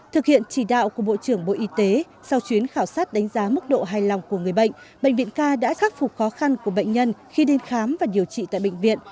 thực hiện chỉ đạo của bộ trưởng bộ y tế sau chuyến khảo sát đánh giá mức độ hài lòng của người bệnh bệnh viện k đã khắc phục khó khăn của bệnh nhân khi đến khám và điều trị tại bệnh viện